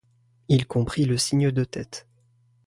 Il comprit le signe de tête.